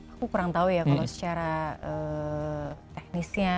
aku kurang tahu ya kalau secara teknisnya